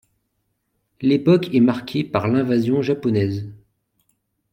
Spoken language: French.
L'époque est marquée par l'invasion japonaise.